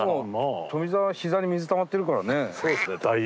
富澤は膝に水たまってるからね。